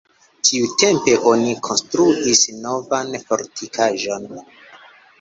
Tiutempe oni konstruis novan fortikaĵon.